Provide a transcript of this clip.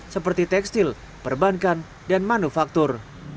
seperti tekstil perbankan dan manufaktur